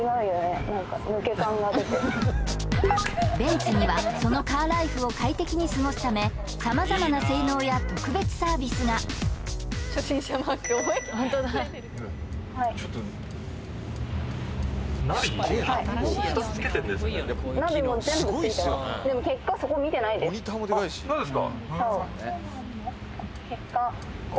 ベンツにはそのカーライフを快適に過ごすため様々な性能や特別サービスがあっそうですか？